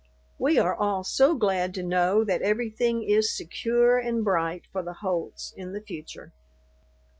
We are all so glad to know that everything is secure and bright for the Holts in the future.